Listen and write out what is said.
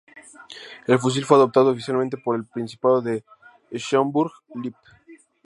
El fusil fue adoptado oficialmente por el Principado de Schaumburg-Lippe.